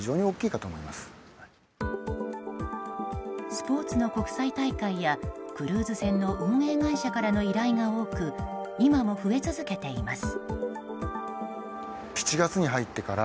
スポーツの国際大会やクルーズ船の運営会社からの依頼が多く今も増え続けています。